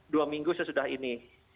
dua minggu sesudah ini